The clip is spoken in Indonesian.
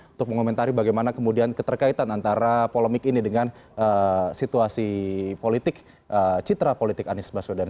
untuk mengomentari bagaimana kemudian keterkaitan antara polemik ini dengan situasi politik citra politik anies baswedan